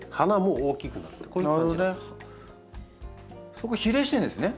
そこ比例してるんですね。